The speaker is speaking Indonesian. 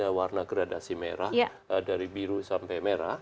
ada warna gradasi merah dari biru sampai merah